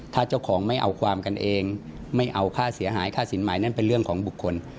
ถ้าเจ้าของไม่เอาความกันเองไม่เอาค่าเสียหายค่าสินหมายนั้นเป็นเรื่องของบุคคล